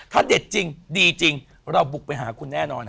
ถ้าเด็ดจริงดีจริงเราบุกไปหาคุณแน่นอนฮ